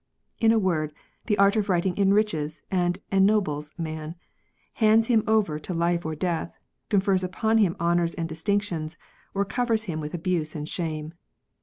In a word, the art of writing enriches and ennobles man, hands him over to life or death, confers upon him honours and distinctions, or covers him with abuse and shame.